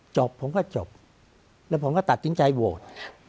จบผมก็จบแล้วผมก็ตัดสินใจโหวต